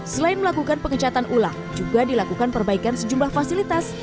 selain melakukan pengecatan ulang juga dilakukan perbaikan sejumlah fasilitas